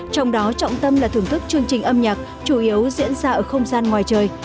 trong đó trọng tâm là thưởng thức chương trình âm nhạc chủ yếu diễn ra ở không gian ngoài trời